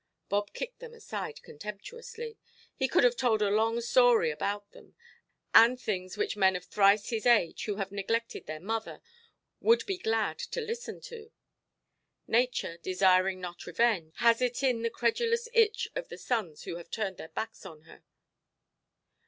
Bob kicked them aside contemptuously. He could have told a long story about them, and things which men of thrice his age, who have neglected their mother, would be glad to listen to. Nature, desiring not revenge, has it in the credulous itch of the sons who have turned their backs on her.